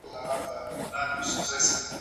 لوړ قيمت به ووايي.